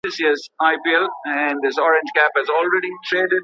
په قلم لیکنه کول د ارزښتونو د پیژندلو لاره ده.